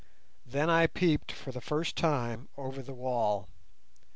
Then I peeped for the first time over the wall.